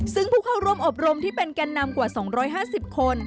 ซึ่งผู้เข้าร่วมอบรมที่เป็นแก่นนำกว่า๒๕๐คน